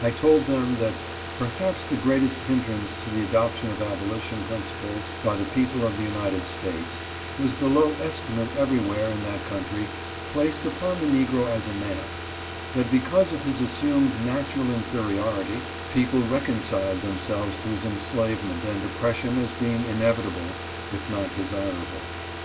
I told them that perhaps the greatest hindrance to the adoption of abolition principles by the people of the United States was the low estimate everywhere in that country placed upon the negro as a man ; that because of his assumed natural inferiority people reconciled themselves to his en slavement and oppression as being inevitable, if not desirable.